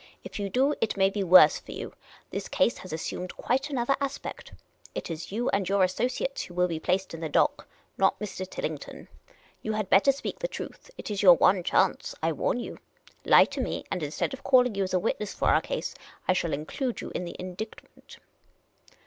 " If you do, it may be worse for you. This case has assumed quite another aspect. It is you and your a.ssociates who will be placed in the dock, not Mr. Tillington. You had The Unprofessional Detective 335 better speak the truth ; it is your one chance, I warn you. Lie to me, and instead of calling you as a witness for our case, I shall include you in the indictment."